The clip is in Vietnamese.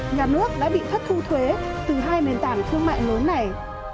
nhà nước đã bị thất thu thuế từ hai nền tảng thương mại lớn này